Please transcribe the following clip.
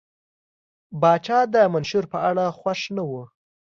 پاچا د منشور په اړه خوښ نه و.